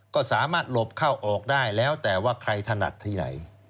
ก็สามารถหลบเข้าออกได้แล้วแต่ว่าใครถนัดที่ไหน